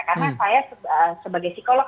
karena saya sebagai psikolog